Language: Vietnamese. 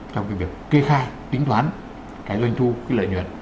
trong cái việc kê khai tính toán cái doanh thu cái lợi nhuận